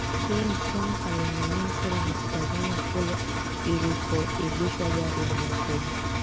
Yule msichana alinyanyua sura na kutazama kule ilikoegeshwa gari ya Jacob